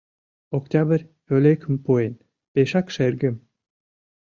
Октябрь пӧлекым пуэн, пешак шергым